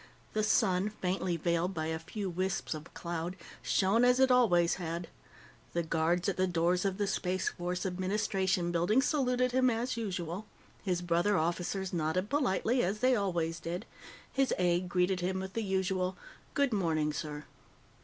The sun, faintly veiled by a few wisps of cloud, shone as it always had; the guards at the doors of the Space Force Administration Building saluted him as usual; his brother officers nodded politely, as they always did; his aide greeted him with the usual "Good morning, sir."